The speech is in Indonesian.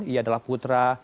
ia adalah putra